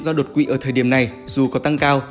do đột quỵ ở thời điểm này dù có tăng cao